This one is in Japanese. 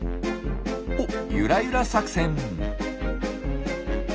おっゆらゆら作戦。